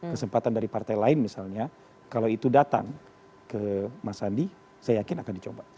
kesempatan dari partai lain misalnya kalau itu datang ke mas andi saya yakin akan dicoba